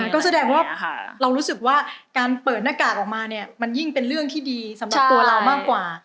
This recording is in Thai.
ก็แสดงว่าเรารู้สึกว่าการเปิดหน้ากากออกมาเนี่ยมันยิ่งเป็นเรื่องที่ดีสำหรับตัวเรามากกว่า